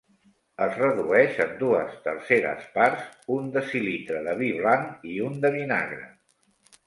Es redueix en dues terceres parts, un decilitre de vi blanc i un de vinagre.